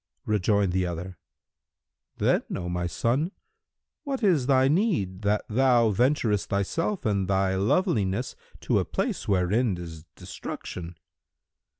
Rejoined the other, "Then, O my son, what is thy need that thou venturest thyself and thy loveliness to a place wherein is destruction?"